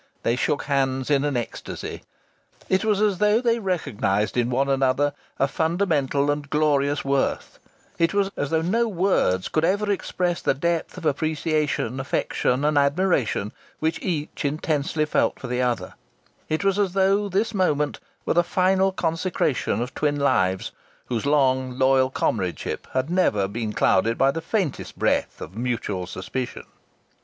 They shook hands in an ecstasy. It was as though they recognized in one another a fundamental and glorious worth; it was as though no words could ever express the depth of appreciation, affection and admiration which each intensely felt for the other; it was as though this moment were the final consecration of twin lives whose long, loyal comradeship had never been clouded by the faintest breath of mutual suspicion.